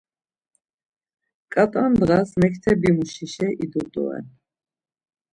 Ǩat̆a ndğas mektebimuşişe idu doren.